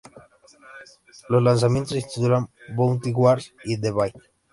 Los lanzamientos se titulan "Bounty Wars" y "The Bait".